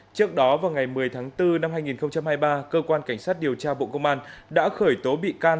trước đó vào ngày một mươi tháng bốn năm hai nghìn hai mươi ba cơ quan cảnh sát điều tra bộ công an đã khởi tố bị can